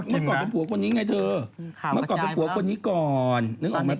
เมื่อก่อนเป็นผัวคนนี้ไงเธอค่ะเมื่อก่อนเป็นผัวคนนี้ก่อนนึกออกไหม